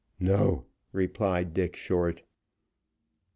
"No," replied Dick Short.